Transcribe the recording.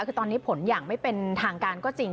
คือตอนนี้ผลอย่างไม่เป็นทางการก็จริง